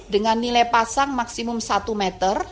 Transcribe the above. dengan nilai pasang maksimum satu meter